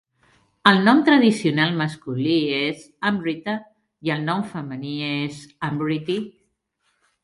El nom tradicional masculí és Amritha i el nom femení és Amrithi.